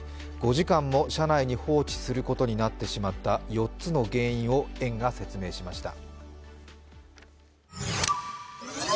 ５時間も車内に放置することになってしまった、４つの原因を園が説明しました。